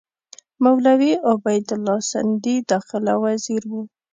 مولوي عبیدالله سندي داخله وزیر وو.